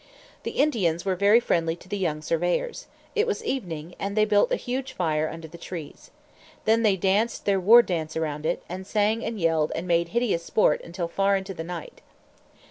The Indians were very friendly to the young surveyors. It was evening, and they built a huge fire under the trees. Then they danced their war dance around it, and sang and yelled and made hideous sport until far in the night.